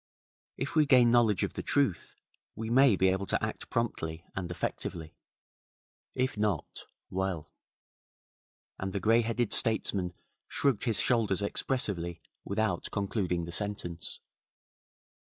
If we gain knowledge of the truth, we may be able to act promptly and effectively. If not well ' and the greyheaded statesman shrugged his shoulders expressively without concluding the sentence.